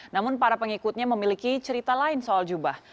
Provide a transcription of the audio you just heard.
namun para pengikutnya memiliki cerita lain soal jubah